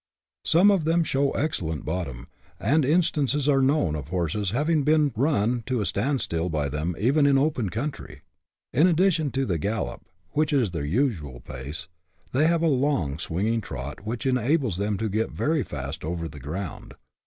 Some of them show excellent bottom, and instances are known of horses having been run to a stand still by them even in open country. In addition to the gallop, which is their usual pace, they have a long, swinging trot, which enables them to get very fast over the ground.